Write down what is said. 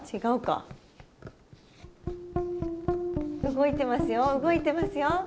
動いてますよ動いてますよ。